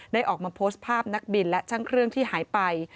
ออกมาโพสต์ภาพนักบินและช่างเครื่องที่หายไป